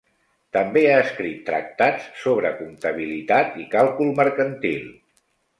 També ha escrit tractats sobre comptabilitat i càlcul mercantil.